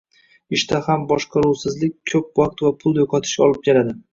ishda ham boshqaruvsizlik ko’p vaqt va pul yo’qotishga olib keladi